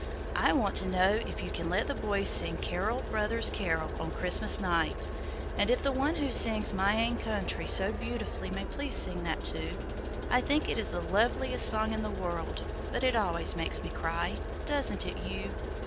I want to know if you can let the boys sing 'Carol, brothers, carol,' on Christmas night, and if the one who sings 'My ain countree' so beautifully may please sing that too. I think it is the loveliest song in the world, but it always makes me cry; doesn't it you?